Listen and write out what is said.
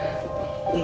terima kasih tante